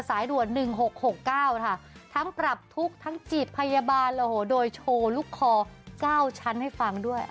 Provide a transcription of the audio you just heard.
ทั้งปรับทุกข์ทั้งจีบพยาบาลโดยโชว์ลูกคอเจ้าชั้นให้ฟังด้วย